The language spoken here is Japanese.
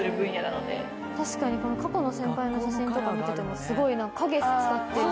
確かにこの過去の先輩の写真とか見ててもすごい何か。